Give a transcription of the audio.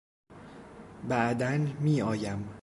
بعدا میآیم.